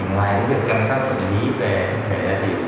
ngoài việc chăm sóc tâm lý về tâm thể đa tiểu